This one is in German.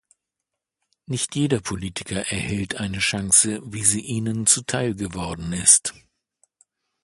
Nicht jeder Politiker erhält eine Chance, wie Sie Ihnen zuteil geworden ist.